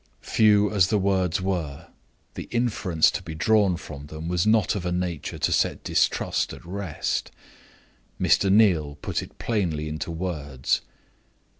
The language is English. Few as the words were, the inference to be drawn from them was not of a nature to set distrust at rest. Mr. Neal put it plainly into words.